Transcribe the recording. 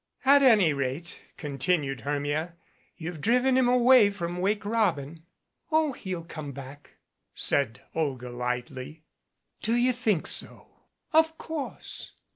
"At any rate," continued Hermia, "you've driven him away from 'Wake Robin'." "Oh, he'll come back," said Olga lightly. "Do you think so?" "Of course."